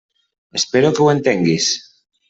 Espero que ho entenguis.